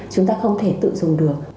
chúng ta không thể tự dùng được